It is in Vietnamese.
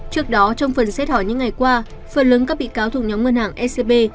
trước đó trong phần xét hỏi những ngày qua phần lớn các bị cáo thuộc nhóm ngân hàng scb